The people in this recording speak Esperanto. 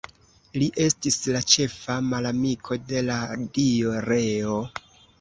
Li estis la ĉefa malamiko de la dio Reo.